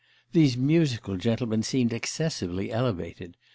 These musical gentlemen seemed excessively elevated.